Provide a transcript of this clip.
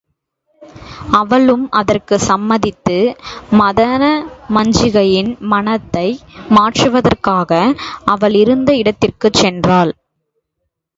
அவளும் அதற்குச் சம்மதித்து மதனமஞ்சிகையின் மனத்தை மாற்றுவதற்காக அவளிருந்த இடத்திற்குச் சென்றாள்.